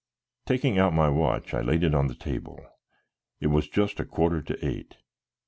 Taking out my watch, I laid it on the table; it was just a quarter to eight.